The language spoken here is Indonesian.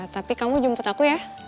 tapi kamu jemput aku ya